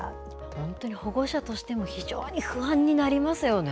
本当に保護者としても、非常に不安になりますよね。